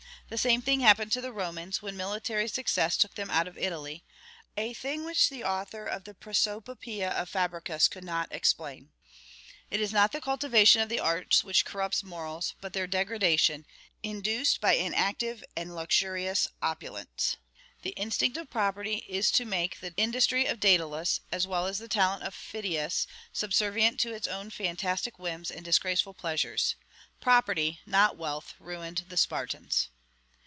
The same thing happened to the Romans, when military success took them out of Italy, a thing which the author of the prosopopoeia of Fabricius could not explain. It is not the cultivation of the arts which corrupts morals, but their degradation, induced by inactive and luxurious opulence. The instinct of property is to make the industry of Daedalus, as well as the talent of Phidias, subservient to its own fantastic whims and disgraceful pleasures. Property, not wealth, ruined the Spartans.